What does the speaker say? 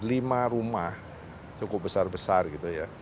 lima rumah cukup besar besar gitu ya